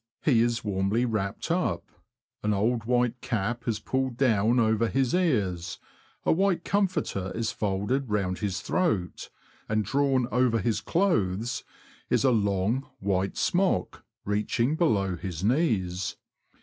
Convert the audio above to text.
He is warmly wrapped up — an old white cap is pulled down over his ears ; a white comforter is folded round his throat ; and drawn over his clothes is a long, white smock, reaching below his knees.